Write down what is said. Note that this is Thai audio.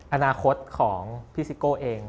อนาคตของพี่ซิโก้เอง